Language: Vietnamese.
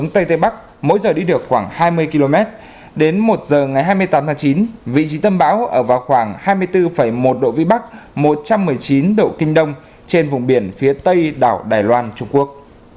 tây tây bắc